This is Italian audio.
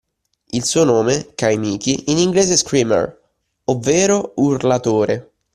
Il suo nome "Kaimichi", in inglese “screamer”, ovvero urlatore